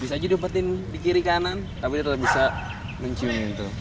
bisa aja cepetin di kiri kanan tapi tetap bisa mencium itu